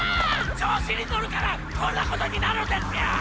調子に乗るからこんなことになるんですよ！